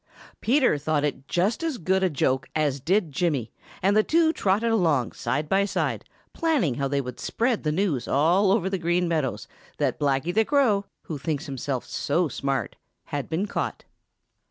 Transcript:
Peter thought it just as good a joke as did Jimmy, and the two trotted along side by side, planning how they would spread the news all over the Green Meadows that Blacky the Crow, who thinks himself so smart, had been caught.